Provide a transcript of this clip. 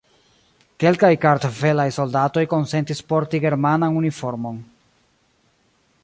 Kelkaj kartvelaj soldatoj konsentis porti germanan uniformon.